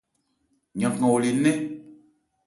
Yankan ole nɛ́n.